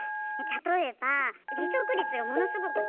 例えば離職率がものすごく高くって。